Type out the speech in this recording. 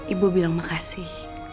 ibu bilang makasih